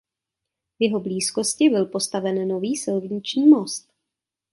V jeho blízkosti byl postaven nový silniční most.